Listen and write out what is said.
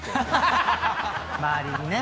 周りにね。